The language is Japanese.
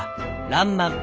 「らんまん」。